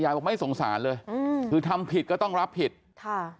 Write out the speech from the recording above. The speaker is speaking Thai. บอกไม่สงสารเลยอืมคือทำผิดก็ต้องรับผิดค่ะ